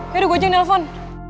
yaudah gue aja yang nelfon